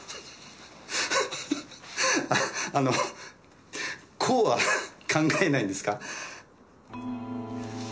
あのこうは考えないんですか？